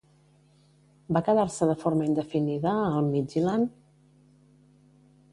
Va quedar-se de forma indefinida al Midtjylland?